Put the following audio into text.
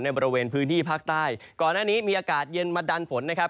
บริเวณพื้นที่ภาคใต้ก่อนหน้านี้มีอากาศเย็นมาดันฝนนะครับ